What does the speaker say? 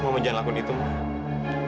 mama jangan lakukan itu mah